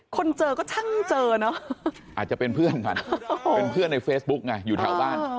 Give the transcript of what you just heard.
คนเจอก็ช่างเจอเนอะอาจจะเป็นเพื่อนกันเป็นเพื่อนในเฟซบุ๊กไงอยู่แถวบ้าน